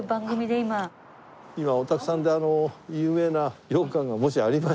今お宅さんで有名な羊羹がもしありましたら。